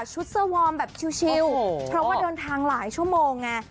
เสื้อวอร์มแบบชิลเพราะว่าเดินทางหลายชั่วโมงไง